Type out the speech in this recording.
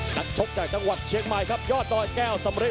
ชกจากจังหวัดเชียงใหม่ครับยอดดอยแก้วสำริท